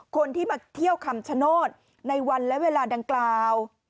คนที่มาเที่ยวคำชโนธในวันและเวลาดังกล่าว